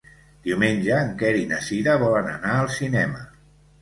Diumenge en Quer i na Cira volen anar al cinema.